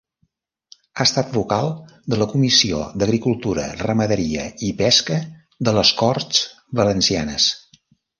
Ha estat vocal de la Comissió d'Agricultura, Ramaderia i Pesca de les Corts Valencianes.